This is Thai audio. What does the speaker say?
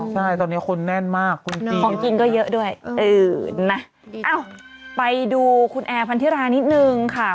ใช่ตอนนี้คุณแน่นมากคุณจีนนะครับอืมนะเอ้าไปดูคุณแอร์พันธิรานิดหนึ่งค่ะ